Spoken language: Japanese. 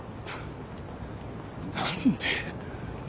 何で。